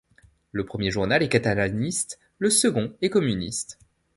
Le premier journal est catalaniste, le second est communiste.